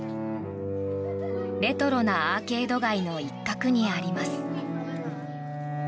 レトロなアーケード街の一角にあります。